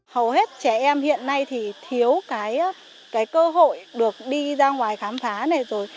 hầu hết trẻ em hiện nay thì thiếu cái cơ hội được đi ra ngoài khám phá này rồi